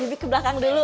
nyonya kebelakang dulu